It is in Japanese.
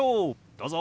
どうぞ。